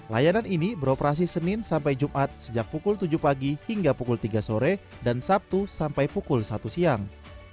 layanan ini beroperasi senin sampai jumat sejak pukul tujuh pagi hingga pukul tiga sore dan sabtu sampai pukul satu siang